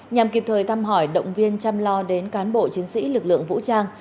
nhằm kịp thời thăm hỏi động viên chăm lo đến cán bộ chiến sĩ lực lượng vũ trang